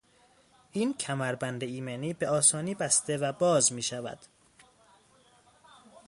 این کمربند ایمنی به آسانی بسته و باز میشود.